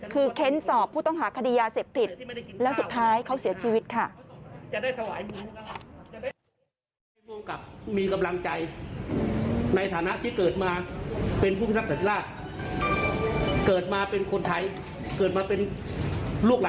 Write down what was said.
คือเค้นสอบผู้ต้องหาคดียาเสพติดแล้วสุดท้ายเขาเสียชีวิตค่ะ